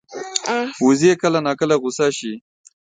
وزې کله ناکله غوسه شي